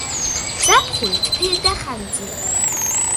ზაფხული თბილი და ხანგრძლივია.